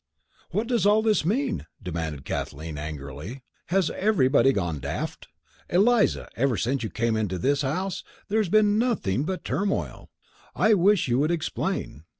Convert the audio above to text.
"What does all this mean?" demanded Kathleen, angrily. "Has everybody gone daft? Eliza, ever since you came into the house, there has been nothing but turmoil. I wish you would explain.